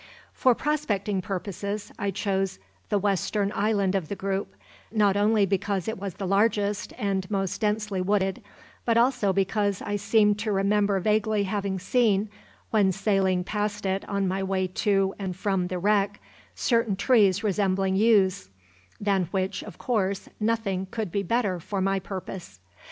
For prospecting purposes I chose the western island of the group, not only because it was the largest and most densely wooded but also because I seemed to remember vaguely having seen, when sailing past it on my way to and from the wreck, certain trees resembling yews, than which, of course, nothing could be better for my purpose.